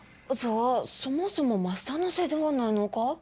じゃあそもそもマスターのせいではないのか？